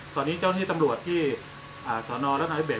ตอนนี้เจ้าหน้าที่ตำรวจที่สนรัฐนาธิเบ็